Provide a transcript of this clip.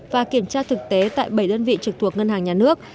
và kiểm tra thực tế tại bảy đơn vị trực thuộc ngân hàng nhà nước